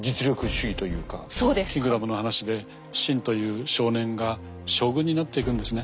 「キングダム」の話で信という少年が将軍になっていくんですね。